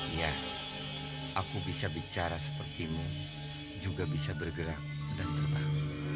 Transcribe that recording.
iya aku bisa bicara seperti mu juga bisa bergerak dan terbang